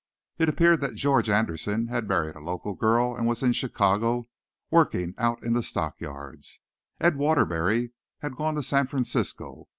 It appeared that George Anderson had married a local girl and was in Chicago, working out in the stock yards. Ed Waterbury had gone to San Francisco.